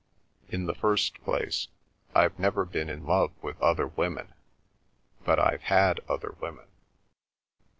In the first place, I've never been in love with other women, but I've had other women.